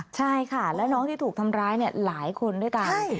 ใช่ค่ะแล้วน้องที่ถูกทำร้ายหลายคนด้วยกัน